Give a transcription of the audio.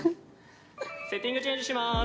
・セッティングチェンジします